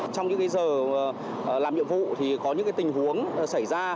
trong những giờ làm nhiệm vụ thì có những tình huống xảy ra